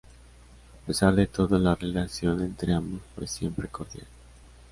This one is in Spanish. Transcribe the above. A pesar de todo, la relación entre ambos fue siempre cordial.